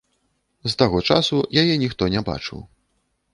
З таго часу яе ніхто не бачыў.